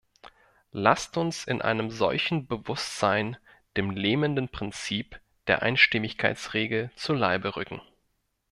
Lasst uns in einem solchen Bewusstsein dem lähmenden Prinzip der Einstimmigkeitsregel zu Leibe rücken.